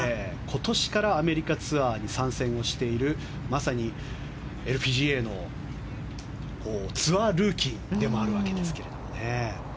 今年からアメリカツアーに参戦しているまさにＬＰＧＡのツアールーキーでもあるわけですけどね。